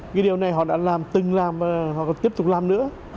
cái điều này họ đã làm từng làm và họ còn tiếp tục làm nữa